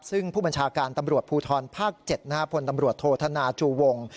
ซึ่งผู้บัญชาการตำรวจภูทรภาค๗พลตำรวจโทษธนาจูวง